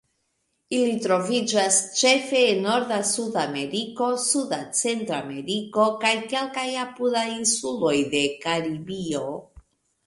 Ili troviĝas ĉefe en norda Sudameriko, suda Centrameriko, kaj kelkaj apudaj insuloj de Karibio.